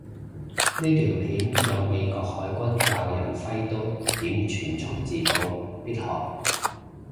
呢條片有美國海軍教有人揮刀點全速自保，必學